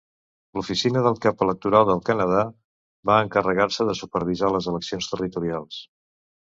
L'Oficina del Cap Electoral del Canadà va encarregar-se de supervisar les eleccions territorials.